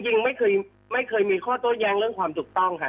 จริงไม่เคยมีข้อโต้แย้งเรื่องความถูกต้องค่ะ